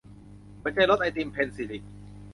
หัวใจรสไอติม - เพ็ญศิริ